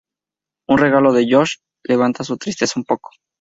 Un regalo de Josh levanta su tristeza un poco.